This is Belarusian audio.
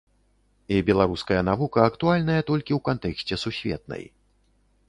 І беларуская навука актуальная толькі ў кантэксце сусветнай.